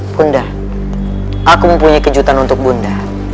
bunda aku mempunyai kejutan untuk bunda